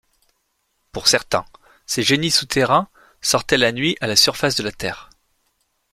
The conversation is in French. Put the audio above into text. Pour certains, ces génies souterrains sortaient la nuit à la surface de la terre.